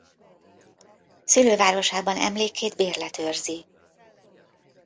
Szülővárosában emlékét bérlet őrzi.